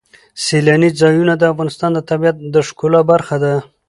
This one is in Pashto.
سیلاني ځایونه د افغانستان د طبیعت د ښکلا برخه ده.